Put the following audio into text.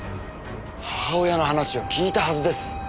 母親の話を聞いたはずです。